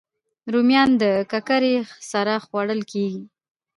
رومیان د ککرې سره خوړل کېږي